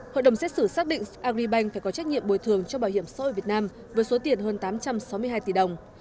hội đồng xét xử xác định agribank phải có trách nhiệm bồi thường cho bảo hiểm xã hội việt nam với số tiền hơn tám trăm sáu mươi hai tỷ đồng